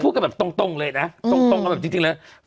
เพื่อไม่ให้เชื้อมันกระจายหรือว่าขยายตัวเพิ่มมากขึ้น